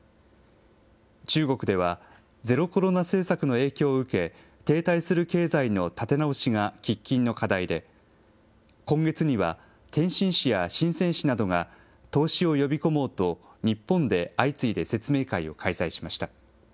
中国では、ゼロコロナ政策の影響を受け、停滞する経済の立て直しが喫緊の課題で、今月には天津市や深せん市などが投資を呼び込もうと、日本で相次いで説明会を開催しました。